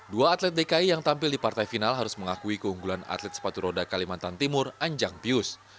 dua atlet dki yang tampil di partai final harus mengakui keunggulan atlet sepatu roda kalimantan timur anjang pius